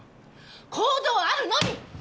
行動あるのみ！